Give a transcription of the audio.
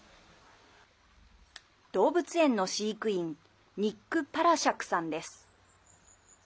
動物園の飼育員ニック・パラシャクさんです。